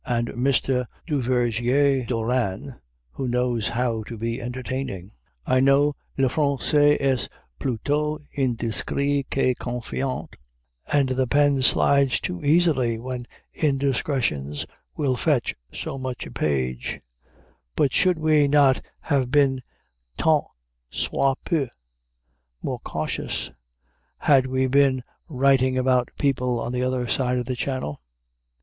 And Mr. Duvergier d'Hauranne, who knows how to be entertaining! I know le Français est plutôt indiscret que confiant, and the pen slides too easily when indiscretions will fetch so much a page; but should we not have been tant soit peu more cautious had we been writing about people on the other side of the Channel?